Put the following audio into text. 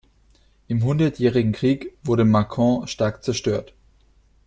Im Hundertjährigen Krieg wurde Mâcon stark zerstört.